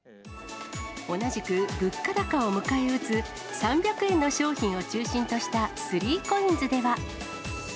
同じく、物価高を迎え撃つ３００円の商品を中心としたスリーコインズでは。